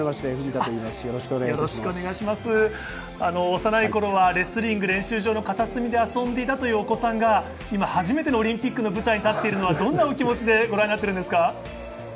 幼いころはレスリング練習場の片隅で遊んでいたというお子さんが、今、初めてのオリンピックの舞台に立っているのはどんなお気持ちでご覧になっていますか？